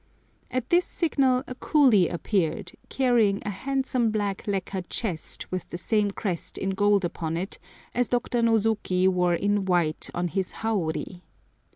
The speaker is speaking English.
At this signal a coolie appeared, carrying a handsome black lacquer chest with the same crest in gold upon it as Dr. Nosoki wore in white on his haori.